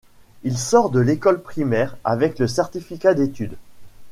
Il sort de l'école primaire avec le certificat d'étude.